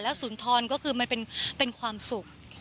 แล้วศูนย์ทรก็คือมันเป็นความสุข